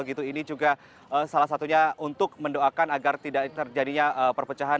ini juga salah satunya untuk mendoakan agar tidak terjadinya perpecahan